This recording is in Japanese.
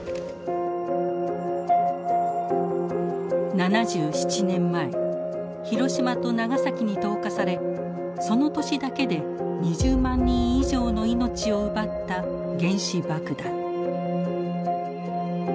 ７７年前広島と長崎に投下されその年だけで２０万人以上の命を奪った原子爆弾。